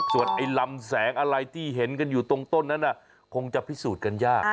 ส่วนไอ้ลำแสงอะไรที่เห็นกันอยู่ตรงต้นนั้นคงจะพิสูจน์กันยาก